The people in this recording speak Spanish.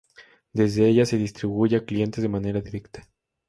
Desde ellas se distribuye a clientes de manera directa.